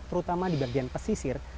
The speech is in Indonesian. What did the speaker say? terutama di bagian pesisir